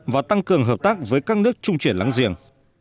và tăng cường hợp tác với các nước trung truyền lãng giềng